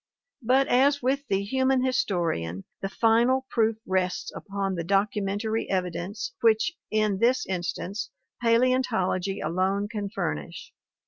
But as with the human historian, the final proof rests upon the documentary evidence which in this instance Paleontology alone can furnish.